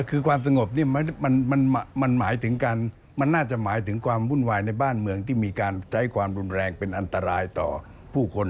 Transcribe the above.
คือความสงบนี่มันหมายถึงการมันน่าจะหมายถึงความวุ่นวายในบ้านเมืองที่มีการใช้ความรุนแรงเป็นอันตรายต่อผู้คน